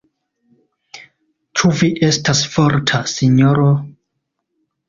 Ĉu vi estas forta, sinjoro?